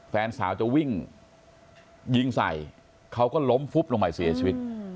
แฟนสาวจะวิ่งยิงใส่เขาก็ล้มฟุบลงไปเสียชีวิต